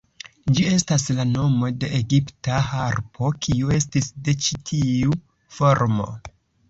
Ĝi estas la nomo de egipta harpo, kiu estis de ĉi tiu formo".